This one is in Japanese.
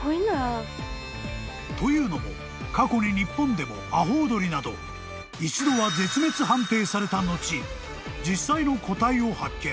［というのも過去に日本でもアホウドリなど一度は絶滅判定された後実際の個体を発見］